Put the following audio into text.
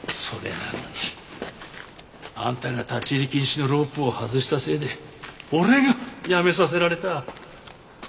それなのにあんたが立ち入り禁止のロープを外したせいで俺が辞めさせられた。